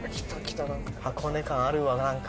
箱根感あるわ何か。